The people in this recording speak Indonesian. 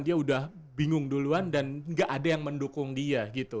dia udah bingung duluan dan gak ada yang mendukung dia gitu